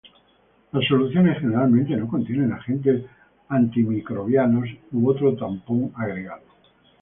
Las soluciones generalmente no contienen agentes antimicrobianos u otro tampón agregado.